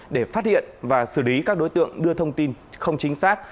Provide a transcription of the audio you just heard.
để phát hiện và xử lý các đối tượng đưa thông tin không chính xác